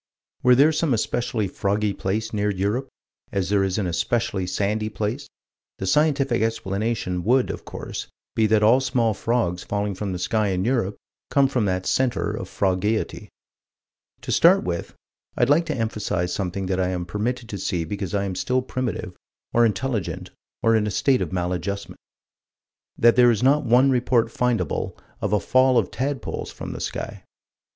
Were there some especially froggy place near Europe, as there is an especially sandy place, the scientific explanation would of course be that all small frogs falling from the sky in Europe come from that center of frogeity. To start with, I'd like to emphasize something that I am permitted to see because I am still primitive or intelligent or in a state of maladjustment: That there is not one report findable of a fall of tadpoles from the sky.